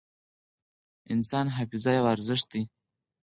انساني حافظه یو ارزښت دی.